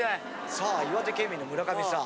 さあ岩手県民の村上さん。